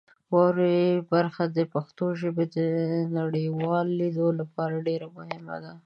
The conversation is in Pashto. واورئ برخه د پښتو ژبې د نړیوالېدو لپاره ډېر مهمه ده.